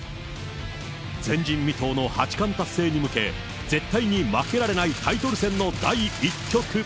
前人未到の八冠達成に向け、絶対に負けられないタイトル戦の第１局。